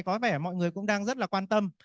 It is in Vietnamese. có vẻ mọi người cũng đang rất là quan tâm